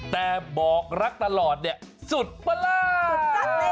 แต่บอกรักตลอดเนี่ยสุดประหลาด